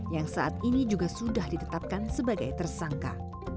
yang saat ini juga sudah ditetapkan sebagai tersangka